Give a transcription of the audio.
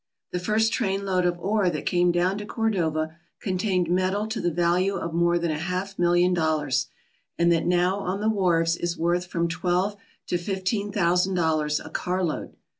The first trainload of ore that came down to Cordova contained metal to the value of more than a half million dollars, and that now on the wharves is worth from twelve to fifteen thousand dollars a carload.